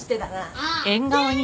ああ。